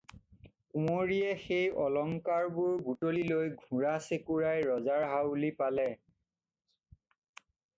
কুঁৱৰীয়ে সেই অলংকাৰবোৰ বুটলি লৈ ঘোঁৰা চেকুৰাই ৰজাৰ হাউলি পালে।